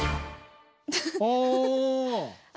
ああ。